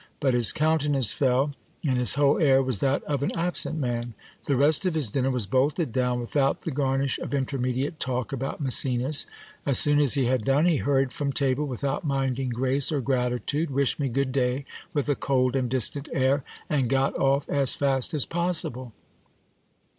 But his countenance fell, and his whole air was that of an absent man ; the rest of his dinner was bolted down without the garnish of intermediate talk about Maecenas ; as soon as he had done, he hurried from table without minding grace or gratitude, wished me good day with a cold and distant air, and got off as fast as possible.